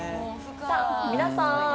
「さあ皆さん」